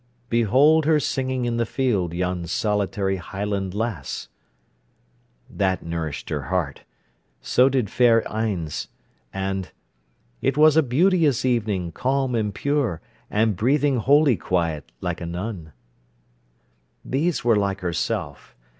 "Behold her singing in the field Yon solitary highland lass." That nourished her heart. So did "Fair Ines". And— "It was a beauteous evening, calm and pure, And breathing holy quiet like a nun." These were like herself.